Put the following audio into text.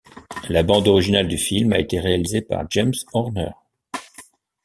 La bande originale du film a été réalisée par James Horner.